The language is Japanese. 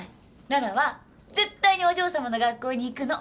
羅羅は絶対にお嬢さまの学校に行くの。